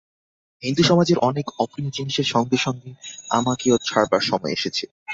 হিন্দুসমাজের অনেক অপ্রিয় জিনিসের সঙ্গে সঙ্গে আমাকেও ছাড়বার সময় এসেছে।